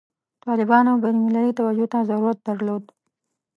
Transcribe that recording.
طالبانو بین المللي توجه ته ضرورت درلود.